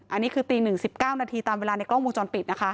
อันนี้คือตี๑๑๙นาทีตามเวลาในกล้องวงจรปิดนะคะ